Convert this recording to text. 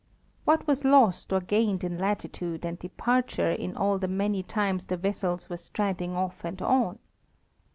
What was lost or gained in latitude and departure in all the many times the vessels were standing off and on?